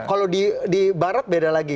kalau di barat beda lagi